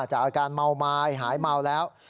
จากอาการเมาไม้หายเมาแล้ว